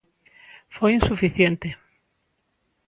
Foi insuficiente.